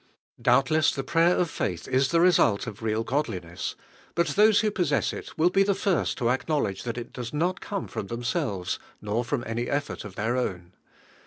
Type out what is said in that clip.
* Doubtless the prayer of faith is the re sult of real godliness, but those who pos sess it will be the first to acknowledge that it does not eonie from themselves, nor from any effort of their own.